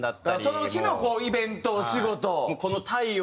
その日のイベントお仕事。